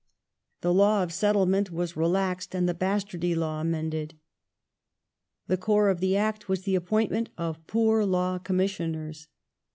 • The law of settlement was re laxed, and the bastardy law amended. The core of the Act was the appointment of Poor Law Commissioners.